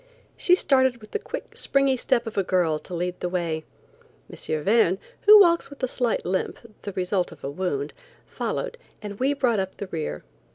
She started with the quick, springy step of a girl to lead the way. M. Verne, who walks with a slight limp, the result of a wound, followed, and we brought up the rear.